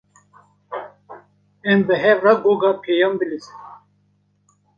Em bi hev re goga pêyan bilîzin.